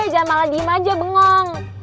jangan malah diem aja bengong